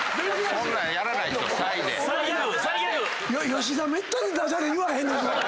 吉田めったに駄じゃれ言わへんのに。